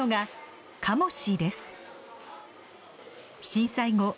震災後